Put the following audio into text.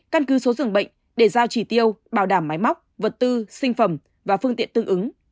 căn cứ số dường bệnh để giao chỉ tiêu bảo đảm máy móc vật tư sinh phẩm và phương tiện tương ứng